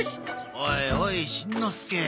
おいおいしんのすけ。